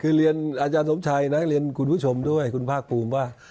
คือเรียนอาจารย์สมชัยนะเรียนคุณผู้ชมด้วยคุณภาคภูมิว่า